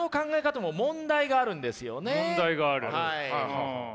問題がある？